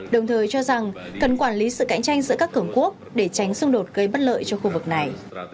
đồng thời cho rằng cần quản lý sự cạnh tranh giữa các cường quốc để tránh xung đột gây bất lợi cho khu vực này